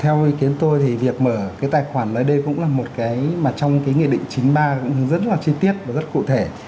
theo ý kiến tôi thì việc mở cái tài khoản đấy đây cũng là một cái mà trong cái nghị định chín mươi ba cũng rất là chi tiết và rất cụ thể